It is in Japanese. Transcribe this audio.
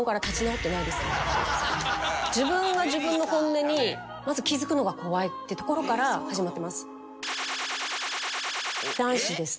自分で自分の本音にまず気づくのが怖いってところから始まってます。